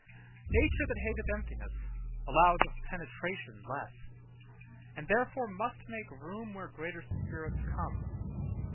Nature, that hateth emptiness, Allows of penetration less: And therefore must make room Where greater spirits come.